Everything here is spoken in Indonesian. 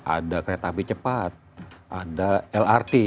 ada kereta api cepat ada lrt